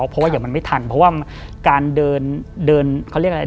เพราะว่าอย่างมันไม่ทันเพราะว่าการเดินเดินเขาเรียกอะไร